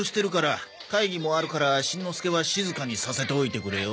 会議もあるからしんのすけは静かにさせておいてくれよ。